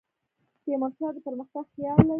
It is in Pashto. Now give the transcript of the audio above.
تیمور شاه د پرمختګ خیال لري.